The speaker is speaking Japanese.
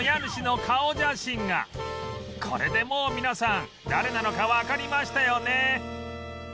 これでもう皆さん誰なのかわかりましたよね